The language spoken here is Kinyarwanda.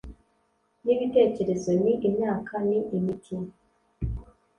nibitekerezo ni imyaka ni imiti.